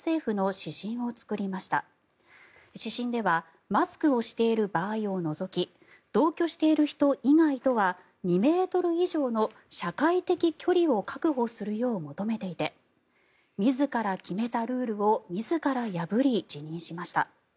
指針ではマスクをしている場合を除き同居している人以外とは２ｍ以上の社会的距離を確保するよう求めていて自ら決めたルールを自ら破り辞任しました。